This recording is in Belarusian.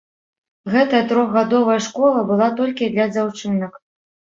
Гэтая трохгадовая школа была толькі для дзяўчынак.